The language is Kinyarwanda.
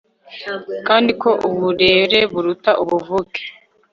kandi ko uburereburuta ubuvuke